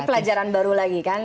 pelajaran baru lagi kan